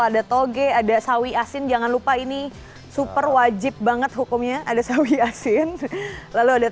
ada toge ada sawi asin jangan lupa ini super wajib banget hukumnya ada sawi asin lalu ada